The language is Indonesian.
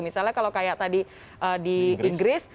misalnya kalau kayak tadi di inggris